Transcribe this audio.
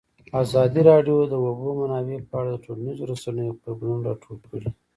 ازادي راډیو د د اوبو منابع په اړه د ټولنیزو رسنیو غبرګونونه راټول کړي.